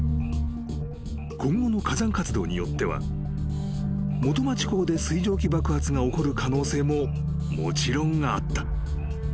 ［今後の火山活動によっては元町港で水蒸気爆発が起こる可能性ももちろんあった。